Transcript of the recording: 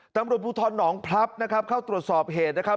ตำรวจภูทรหนองพลับนะครับเข้าตรวจสอบเหตุนะครับ